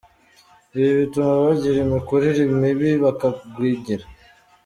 Ibi bituma bagira imikurire mibi bakagwingira.